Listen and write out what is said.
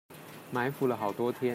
埋伏了好多天